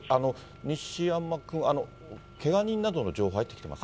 西山君、けが人などの情報は入ってきてますか？